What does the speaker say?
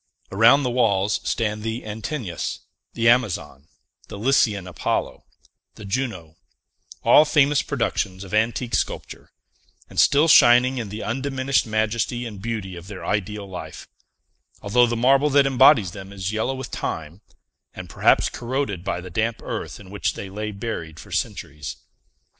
Around the walls stand the Antinous, the Amazon, the Lycian Apollo, the Juno; all famous productions of antique sculpture, and still shining in the undiminished majesty and beauty of their ideal life, although the marble that embodies them is yellow with time, and perhaps corroded by the damp earth in which they lay buried for centuries.